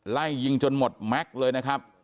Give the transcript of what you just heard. ไล่ยิงจนหมดแม็กซ์เลยนะครับ